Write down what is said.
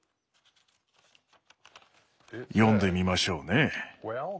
読んでみましょうね。